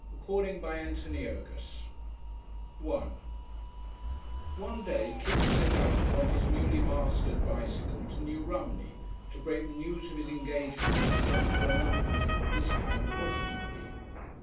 CHAPTER VI DISCORDS §1 One day Kipps set out upon his newly mastered bicycle to New Romney to break the news of his engagement to his Uncle and Aunt this time positively.